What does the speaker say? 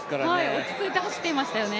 落ち着いて走っていましたよね。